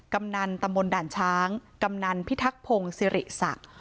กำนันตมนต์ด่านช้างกำนันต์พิทักภงศรีศักดิ์